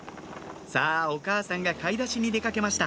さぁお母さんが買い出しに出掛けました